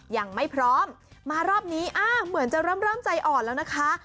ยังไม่พร้อมมารอบนี้เหมือนจะเริ่มใจอ่อนแล้วนะคะ